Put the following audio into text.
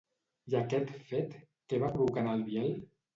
I aquest fet, què va provocar en el Biel?